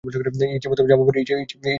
ইচ্ছামতো জামা পরি, ইচ্ছামতো কথা বলি।